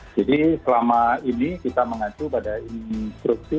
jadi selama ini kita mengacu pada instruksi